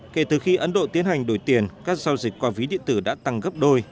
kể từ khi ấn độ tiến hành đổi tiền các giao dịch qua ví điện tử đã tăng gấp đôi